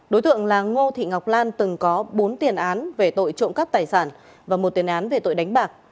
đối tượng là ngô thị ngọc lan từng có bốn tiền án về tội trộm cắp tài sản và một tiền án về tội đánh bạc